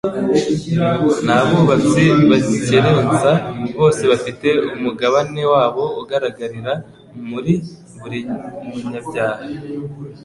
n'abubatsi bakerensa : Bose bafite umugabane wabo ugaragarira muri buri munyabyaha,